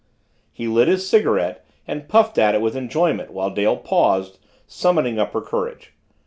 He lit his cigarette and puffed at it with enjoyment while Dale paused, summoning up her courage.